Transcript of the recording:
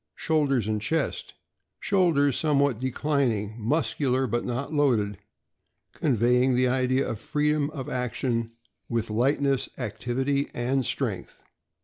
Shoulders and chest. — Shoulders somewhat declining, muscular, but not loaded, conveying the idea of freedom of action, with lightness, activity, and strength.